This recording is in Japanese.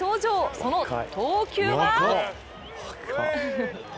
その投球は？